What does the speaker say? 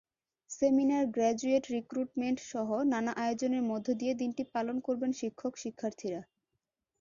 Seminar, graduate রিক্রুটমেন্টসহ নানা আয়োজনের মধ্য দিয়ে দিনটি পালন করবেন শিক্ষক-শিক্ষার্থীরা।